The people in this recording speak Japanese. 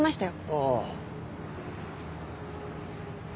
ああ。